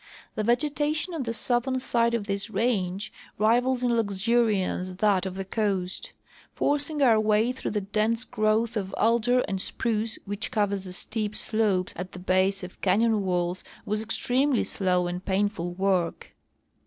The vegetation on the southern side of this range rivals in luxuriance that of the coast. Forcing our way through the dense groAvth of alder and spruce Avhich covers the steep slopes at the base of canyon Avails Avas extremely sIoav and painful work.